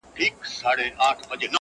نه د سرو ملو پیمانه سته زه به چیري ځمه!!